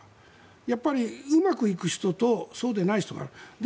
やっぱりうまくいく人とそうでない人がいる。